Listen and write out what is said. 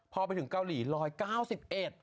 พอไปถึงเกาหลีร้อยเก้าสิบเอ็ด